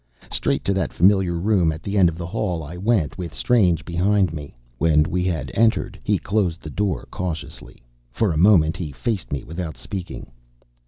Straight to that familiar room at the end of the hall I went, with Strange behind me. When we had entered, he closed the door cautiously. For a moment he faced me without speaking.